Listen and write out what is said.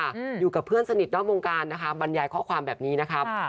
นี่แหละค่ะอยู่กับเพื่อนสนิทนอกวงการบรรยายข้อความแบบนี้นะครับ